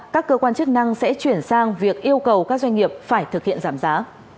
các cơ quan chức năng sẽ chuyển sang việc yêu cầu các doanh nghiệp phải thực hiện giảm giá